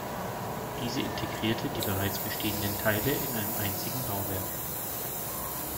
Diese integrierte die bereits bestehenden Teile in einem einzigen Bauwerk.